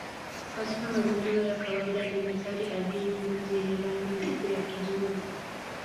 Katika mazingira ya kawaida ni metali adimu ngumu yenye rangi nyeupe ya kijivu.